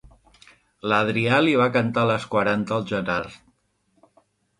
L'Adrià li va cantar les quaranta al Gerard.